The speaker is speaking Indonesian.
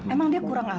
emang dia kurang apa sih